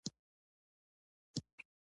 هلک د سیند پر غاړه رنګین غمي